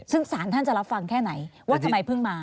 ซึ่งสารท่านจะรับฟังแค่ไหนว่าทำไมเพิ่งมา